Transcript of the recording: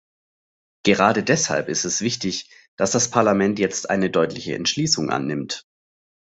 Gerade deshalb ist es wichtig, dass das Parlament jetzt eine deutliche Entschließung annimmt.